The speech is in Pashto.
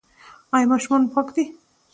ایا ماشومان مو پاک دي؟